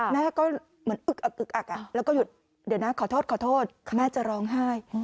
แม่ก็เหมือนอึกอักก็หยุดขอโทษแม่จะร้องไห้